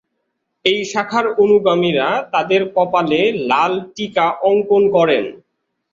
এই শাখার অনুগামীরা তাদের কপালে লাল টীকা অঙ্কন করেন।